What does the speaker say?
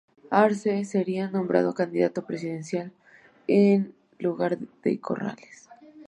Arce sería nombrado candidato presidencial en lugar de Corrales.